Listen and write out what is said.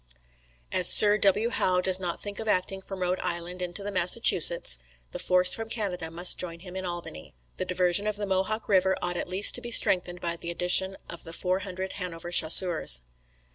"As Sir W. Howe does not think of acting from Rhode island into the Massachusets, the force from Canada must join him in Albany. "The diversion on the Mohawk River ought at least to be strengthened by the addition of the four hundred Hanover Chasseurs.